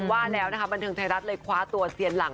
ว่าแล้วบรรทังใยรัฐเลยคว้าตัวเสียนรัง